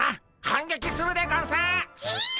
反撃するでゴンスっ！